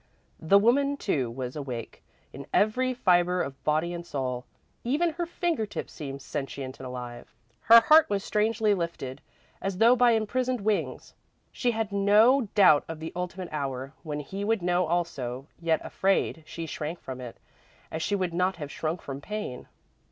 The woman, too, was awake, in every fibre of body and soul. Even her finger tips seemed sentient and alive; her heart was strangely lifted, as though by imprisoned wings. She had no doubt of the ultimate hour, when he would know also, yet, half afraid, she shrank from it, as she would not have shrunk from pain.